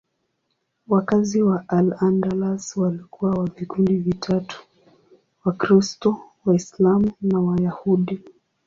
Wakazi wa Al-Andalus walikuwa wa vikundi vitatu: Wakristo, Waislamu na Wayahudi.